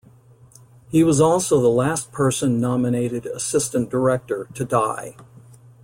He was also the last person nominated Assistant Director to die.